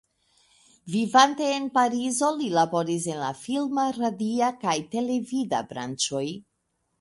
Vivante en Parizo li laboris en la filma, radia kaj televida branĉoj.